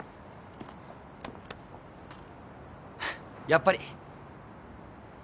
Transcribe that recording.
やっぱり。